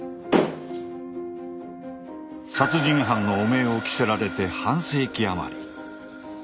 殺人犯の汚名を着せられて半世紀余り。